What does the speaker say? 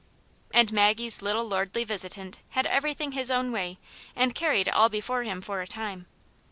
And Maggie's little lordly visitant had everything his own way, and carried all before him for a time.